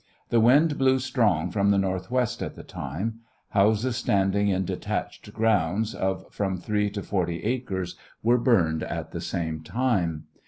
The wind blew strong from the northwest at the time. Houses standing in detached grounds of from 3 to 40 acres were burned at the same time.